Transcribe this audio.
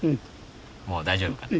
もう大丈夫かな？